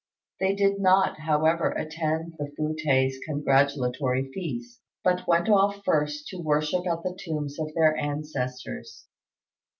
They did not, however, attend the Fu t'ai's congratulatory feast, but went off first to worship at the tombs of their ancestors.